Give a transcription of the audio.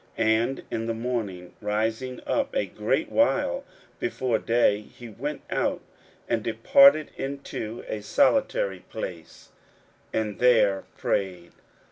41:001:035 And in the morning, rising up a great while before day, he went out, and departed into a solitary place, and there prayed.